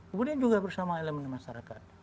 kemudian juga bersama elemen masyarakat